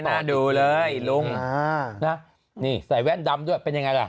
มาดูเลยลุงนี่ใส่แว่นดำด้วยเป็นยังไงล่ะ